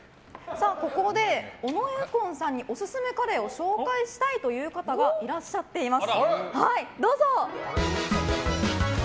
ここで尾上右近さんにオススメカレーを紹介したいという方がいらっしゃっています。